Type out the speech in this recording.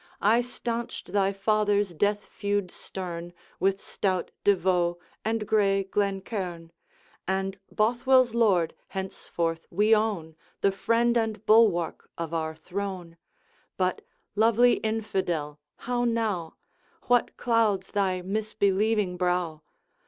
I stanched thy father's death feud stern With stout De Vaux and gray Glencairn; And Bothwell's Lord henceforth we own The friend and bulwark of our throne. But, lovely infidel, how now? What clouds thy misbelieving brow?